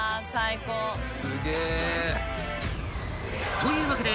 ［というわけで］